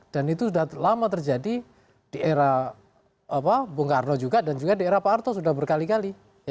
dan itu sudah lama terjadi di era bung karno juga dan juga di era pak arto sudah berkali kali